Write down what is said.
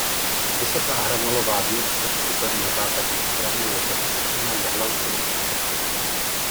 Vysoká hranolová věž se vstupem na západní straně je zastřešena jehlancovou střechou.